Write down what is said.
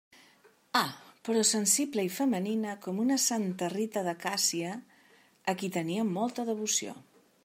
Ah, però sensible i femenina com una santa Rita de Càssia, a qui tenia molta devoció.